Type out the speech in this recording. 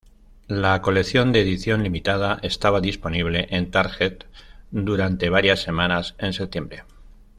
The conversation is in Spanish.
La colección de edición limitada estaba disponible en Target durante varias semanas en septiembre.